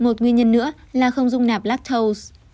một nguyên nhân nữa là không dùng nạp lactose